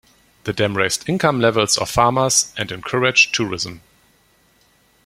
The dam raised income levels of farmers and encouraged tourism.